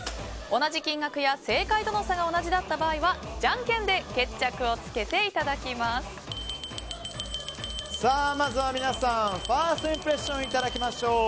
同じ金額や正解との差が同じだった場合はじゃんけんでまずは皆さんファーストインプレッションいただきましょう。